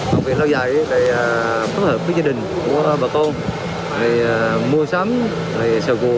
học viện lao dạy phối hợp với gia đình của bà con mua sắm sờ gù